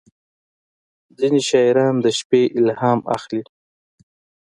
• ځینې شاعران د شپې الهام اخلي.